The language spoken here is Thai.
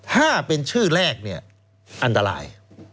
ถ้าเป็นชื่อแรกเนี่ยอันตราย